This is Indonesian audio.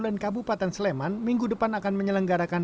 dan kabupaten sleman minggu depan akan menyelenggarakan